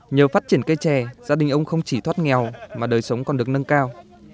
nhờ phát triển cây trè gia đình ông không chỉ thoát nghèo mà đời sống còn được nâng cao